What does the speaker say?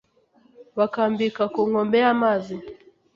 Bakambika ku nkombe y'amazi.